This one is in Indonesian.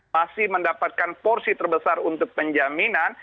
masih mendapatkan porsi terbesar untuk penjaminan